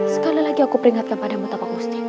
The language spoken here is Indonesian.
sekali lagi aku peringatkan padamu tapa musti